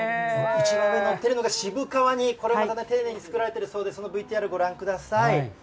一番上に載ってるのが渋皮煮、これがまた丁寧に作られているそうで、そのＶＴＲ、ご覧ください。